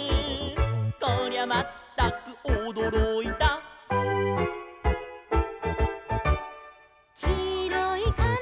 「こりゃまったくおどろいた」「きいろいかんづめ」